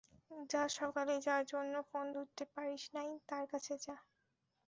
যা, সকালে যার জন্য ফোন ধরতে পারিস নাই, তার কাছে যা।